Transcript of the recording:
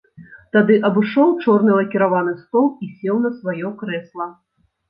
Тады абышоў чорны лакіраваны стол і сеў на сваё крэсла.